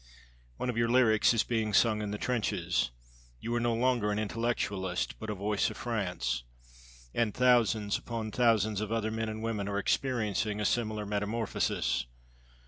One of your lyrics is being sung in the trenches. You are no longer an intellectualist, but a voice of France. And thousands upon thousands of other men and women are experiencing a similar metamorphosis.